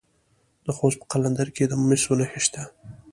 د خوست په قلندر کې د مسو نښې شته.